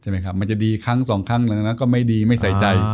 ครับมันจะดีครั้งสองครั้งแล้วนะก็ไม่ดีไม่ใส่ใจ